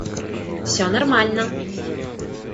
Всё нормально